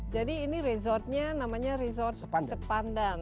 jadi ini resortnya namanya resort sepandan